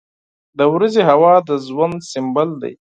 • د ورځې هوا د ژوند سمبول دی.